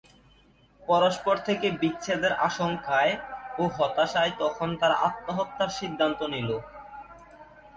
পরস্পর থেকে বিচ্ছেদের আশঙ্কায় ও হতাশায় তখন তারা আত্মহত্যার সিদ্ধান্ত নিল।